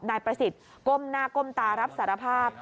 นายประสิทธิ์ก้มหน้าก้มตารับสารภาพ